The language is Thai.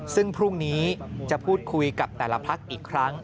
ซึ่งพรุ่งนี้จะพูดคุยกับแต่ละพักอีกครั้ง